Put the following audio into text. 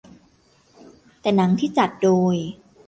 แต่หนังที่จัดโดย